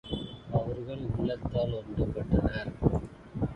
அவர்கள் உள்ளத்தால் ஒன்று பட்டனர்.